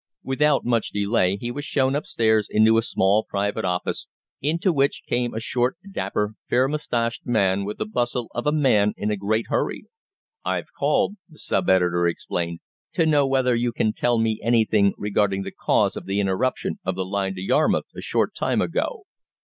Without much delay he was shown upstairs into a small private office, into which came a short, dapper, fair moustached man with the bustle of a man in a great hurry. "I've called," the sub editor explained, "to know whether you can tell me anything regarding the cause of the interruption of the line to Yarmouth a short time ago.